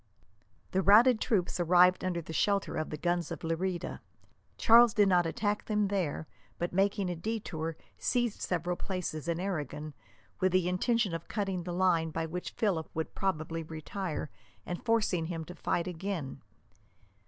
The routed troops arrived under the shelter of the guns of Lerida. Charles did not attack them there, but, making a detour, seized several places in Aragon, with the intention of cutting the line by which Philip would probably retire, and forcing him to fight again.